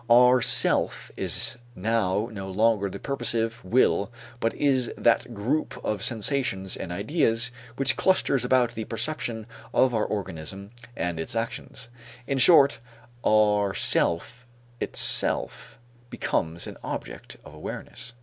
Our self is now no longer the purposive will but is that group of sensations and ideas which clusters about the perception of our organism and its actions; in short, our self itself becomes an object of awareness.